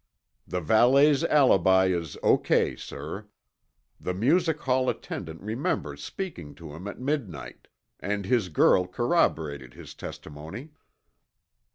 "The valet's alibi is O. K., sir. The music hall attendant remembers speaking to him at midnight, and his girl corroborated his testimony."